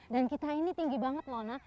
dan kita ini tinggi banget loh nah